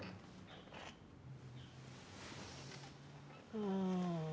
うん。